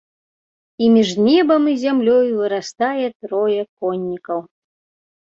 І між небам і зямлёй вырастае трое коннікаў.